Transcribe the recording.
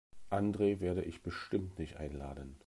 Andre werde ich bestimmt nicht einladen.